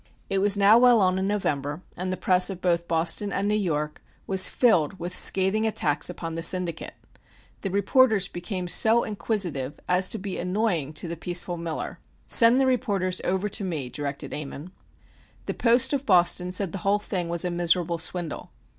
It was now well on in November, and the press of both Boston and New York was filled with scathing attacks upon the Syndicate. The reporters became so inquisitive as to be annoying to the peaceful Miller. "Send the reporters over to me!" directed Ammon. The Post (of Boston) said the whole thing was a miserable swindle.